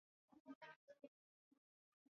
uanze na alama ya kujumlisha mbili tano tano saba